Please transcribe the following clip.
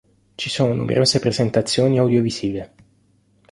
Ci sono numerose presentazioni audio-visive.